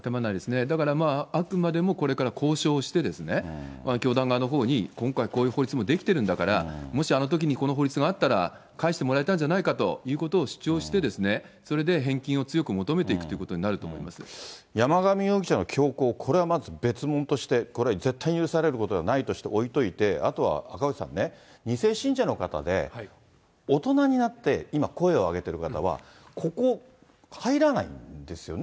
だからあくまでもこれから交渉して、教団側のほうに、今回、こういう法律も出来てるんだから、もしあのときにこの法律があったら返してもらえたんじゃないかということを主張して、それで返金を強く求めていくということにな山上容疑者の凶行、これはまず別物として、これは絶対に許されることではないとして置いといて、あとは赤星さんね、２世信者の方で、大人になって今、声を上げている方は、ここ、入らないんですよね。